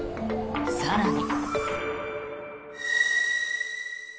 更に。